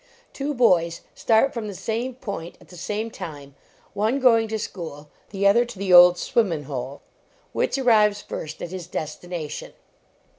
Two boys start from the same point at the same time, one going to school, the other to the "Old Swimmin Hole"; which arrives first at his destination